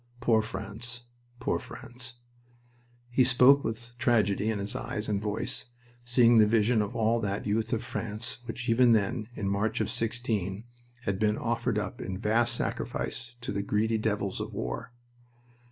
Poor France! Poor France!" He spoke with tragedy in his eyes and voice, seeing the vision of all that youth of France which even then, in March of '16, had been offered up in vast sacrifice to the greedy devils of war.